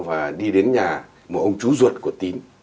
và đi đến nhà một ông chú ruột của tín